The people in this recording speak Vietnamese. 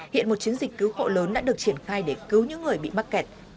hiện một chiến dịch cứu hộ lớn đã được triển khai để cứu những người bị mắc kẹt